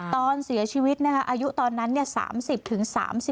ตอนเสียชีวิตนะคะอายุตอนนั้น๓๐ถึง๓๐